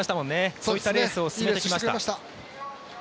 そういったレースを進めてきました。